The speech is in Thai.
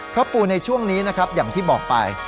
เพราะปูในช่วงนี้นะครับอย่างที่บอกไป